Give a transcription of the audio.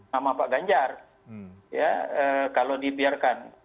sama pak ganjar kalau dibiarkan